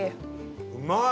うまい！